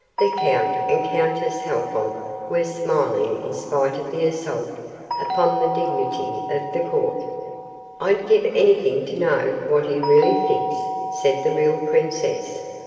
The Count and Countess Halfont were smiling in spite of the assault upon the dignity of the court. "I'd give anything to know what he really thinks," said the real princess.